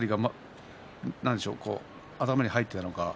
頭に入っていたのか